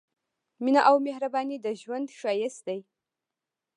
مينه او مهرباني د ژوند ښايست دی